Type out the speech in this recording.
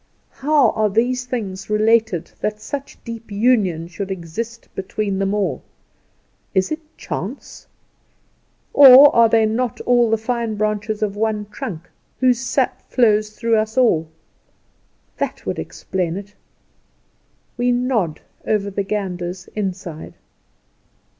How are these things related that such deep union should exist between them all? Is it chance? Or, are they not all the fine branches of one trunk, whose sap flows through us all? That would explain it. We nod over the gander's inside.